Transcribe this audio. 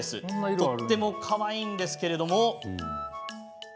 とってもかわいいんですけど。